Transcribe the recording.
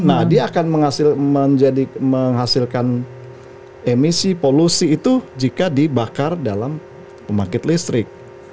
nah dia akan menghasilkan emisi polusi itu jika dibakar dalam pembangkit listrik